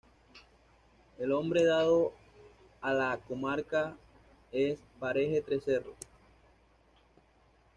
El nombre dado a la comarca es: ‘‘paraje Tres Cerros’’.